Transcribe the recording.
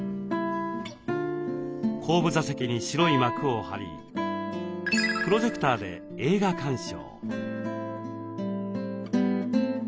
後部座席に白い幕を張りプロジェクターで映画鑑賞。